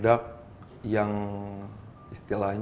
dan mengembangkan kepentingan